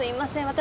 私